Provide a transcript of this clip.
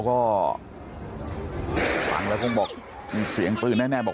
เขาก็